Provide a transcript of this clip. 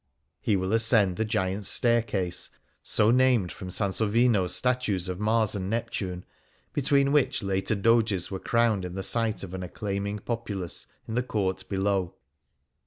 He 72 The Heart of Venice will ascend the Giants' Staircase — so named from Sansovino's statues of Mars and Neptune, between which the later Doges were crowned in the sight of an acclaiming populace in the court below.